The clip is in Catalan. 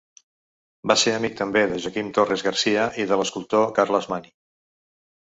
Va ser amic també de Joaquim Torres Garcia, i de l'escultor Carles Mani.